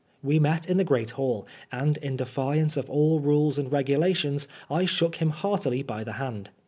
We met in the great hall, and in defiance of all rules and regulations, I shook him heartily by the hand.